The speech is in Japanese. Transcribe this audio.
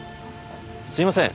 すいません。